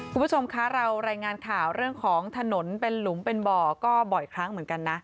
คุณผู้ชมคะเรารายงานข่าวเรื่องของถนนเป็นหลุมเป็นบ่อก็บ่อยครั้งเหมือนกันนะ